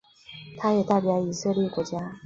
他也代表以色列国家男子篮球队参赛。